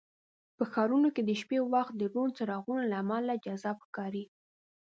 په ښارونو کې د شپې وخت د روڼ څراغونو له امله جذاب ښکاري.